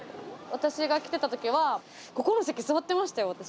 私が来てた時はここの席座ってましたよ